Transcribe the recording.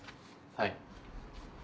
はい。